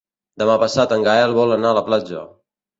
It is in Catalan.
Demà passat en Gaël vol anar a la platja.